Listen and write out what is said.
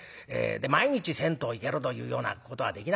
毎日銭湯行けるというようなことはできなかったですね。